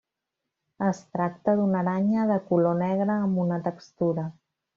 Es tracta d'una aranya de color negre amb una textura.